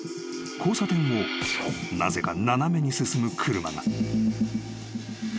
交差点をなぜか斜めに進む車が］